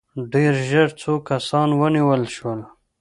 ډېر ژر څو کسان ونیول شول.